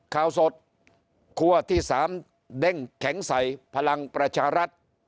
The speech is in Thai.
ข่าวสดคั่วที่๓เด้งแข็งใส่พลังประชารัฐ